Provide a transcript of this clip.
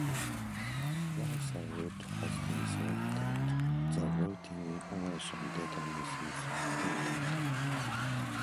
Once a route has been selected, the routing information database is updated.